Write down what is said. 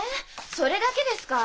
それだけですか？